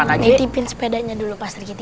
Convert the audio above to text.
kita pindahin sepedanya dulu pak sergiti